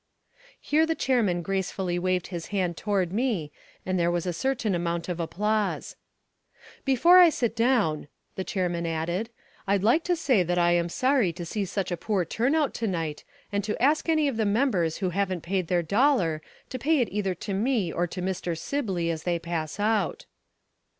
Here the chairman gracefully waved his hand toward me and there was a certain amount of applause. "Before I sit down," the chairman added, "I'd like to say that I am sorry to see such a poor turn out to night and to ask any of the members who haven't paid their dollar to pay it either to me or to Mr. Sibley as they pass out."